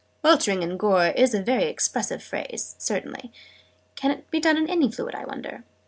"'Weltering in gore' is a very expressive phrase, certainly. Can it be done in any fluid, I wonder?"